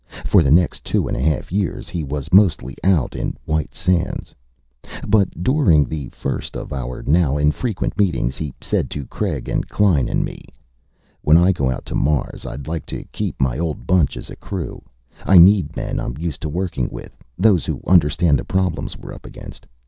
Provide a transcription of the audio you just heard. For the next two and a half years, he was mostly out in White Sands. But during the first of our now infrequent meetings, he said to Craig and Klein and me: "When I go out to Mars, I'd like to keep my old bunch as crew. I need men I'm used to working with, those who understand the problems we're up against.